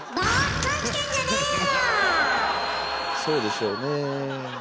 そうでしょうね。